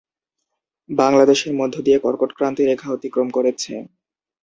বাংলাদেশের মধ্য দিয়ে কর্কটক্রান্তি রেখা অতিক্রম করেছে।